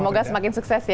semoga semakin sukses ya